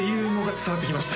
伝わってきました？